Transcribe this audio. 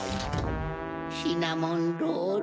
シナモンロール。